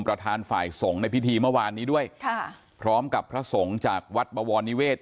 ประธานฝ่ายสงฆ์ในพิธีเมื่อวานนี้ด้วยค่ะพร้อมกับพระสงฆ์จากวัดบวรนิเวศ